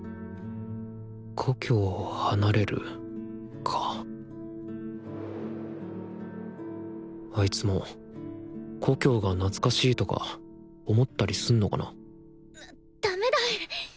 故郷を離れるかあいつも故郷が懐かしいとか思ったりすんのかなダメだ！